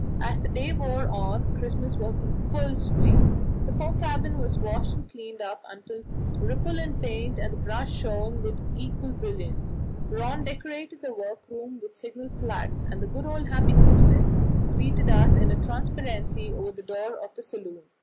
As the day wore on Christmas was in full swing. The fore cabin was washed and cleaned up till the Ripolin paint and the brass shone with equal brilliance; Rönne decorated the workroom with signal flags, and the good old "Happy Christmas" greeted us in a transparency over the door of the saloon.